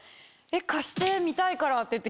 貸して見たいからって言って。